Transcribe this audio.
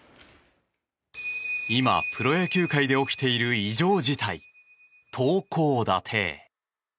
今、プロ野球で起きている異常事態、投高打低。